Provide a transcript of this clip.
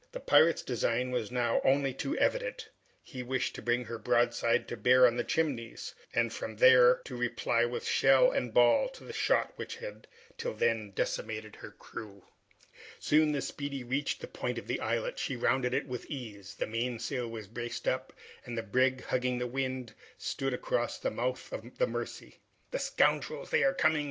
The pirate's design was now only too evident; he wished to bring her broadside to bear on the Chimneys and from there to reply with shell and ball to the shot which had till then decimated her crew. Soon the "Speedy" reached the point of the islet; she rounded it with ease; the mainsail was braced up, and the brig hugging the wind, stood across the mouth of the Mercy. "The scoundrels! they are coming!"